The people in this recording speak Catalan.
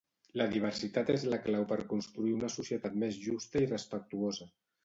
La diversitat és la clau per construir una societat més justa i respectuosa.